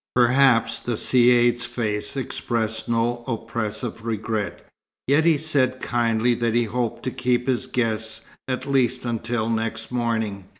Perhaps the Caïd's face expressed no oppressive regret, yet he said kindly that he hoped to keep his guests at least until next morning.